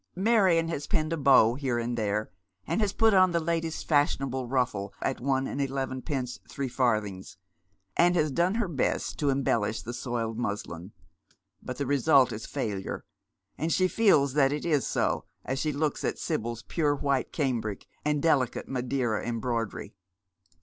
Marion has pinned a bow here and there, and has put on the last fashionable ruffle at one and eleven pence threefarthings, and has done her best to embellish the soiled muslin, but the result is failure, and she feels that it is so as she looks at Sibyl's pure white cambric and delicate Madeira embroidery.